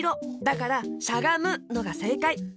だからしゃがむのがせいかい！